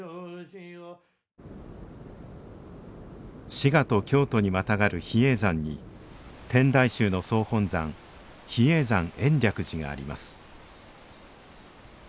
滋賀と京都にまたがる比叡山に天台宗の総本山比叡山延暦寺があります